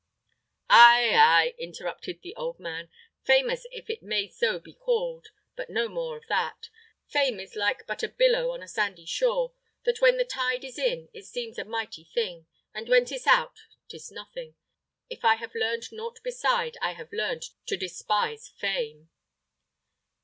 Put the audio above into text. "Ay, ay!" interrupted the old man; "famous if it may so be called. But no more of that. Fame is but like a billow on a sandy shore, that when the tide is in, it seems a mighty thing, and when 'tis out, 'tis nothing. If I have learned nought beside, I have learned to despise fame."